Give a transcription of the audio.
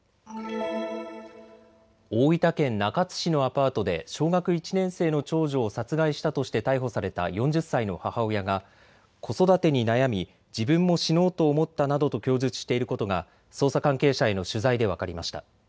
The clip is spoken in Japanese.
大分県中津市のアパートで小学１年生の長女を殺害したとして逮捕された４０歳の母親が子育てに悩み、自分も死のうと思ったなどと供述していることが捜査関係者への取材で分かりました。